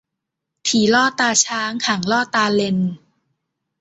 ถี่ลอดตาช้าง ห่างลอดตาเล็น